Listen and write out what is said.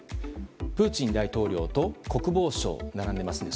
プーチン大統領と国防相が並んでますね。